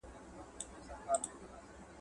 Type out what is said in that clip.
چي نه عقل او نه زور د چا رسېږي